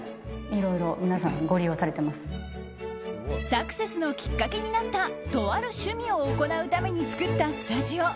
サクセスのきっかけになったとある趣味を行うために作ったスタジオ。